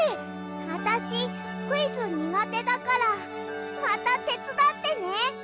あたしクイズにがてだからまたてつだってね。